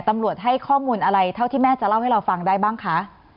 ตำรวจให้ข้อมูลอะไรเท่าที่แม่จะเล่าให้เราฟังได้บ้างคะ